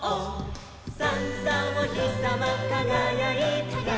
「さんさんおひさまかがやいて」「」